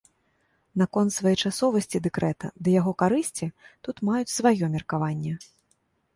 Наконт своечасовасці дэкрэта ды яго карысці тут маюць сваё меркаванне.